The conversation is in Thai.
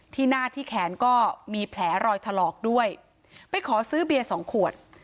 ที่หน้าที่แขนก็มีแผลรอยถลอกด้วยไปขอซื้อเบียร์สองขวด